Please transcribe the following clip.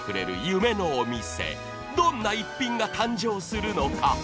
［どんな逸品が誕生するのか？］